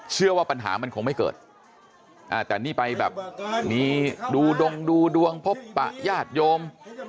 เชื่อว่าปัญหามันคงไม่เกิดแต่นี่ไปแบบมีดูดงดูดวงพบปะญาติโยม